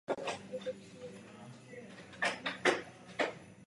Podle průzkumu patří tato trať mezi nejvytíženější motorové tratě v České republice.